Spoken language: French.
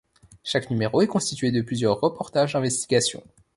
Chaque numéro est constitué de plusieurs reportages d'investigation.